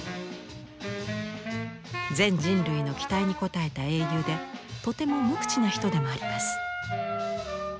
全人類の期待に応えた英雄でとても無口な人でもあります。